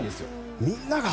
みんなが。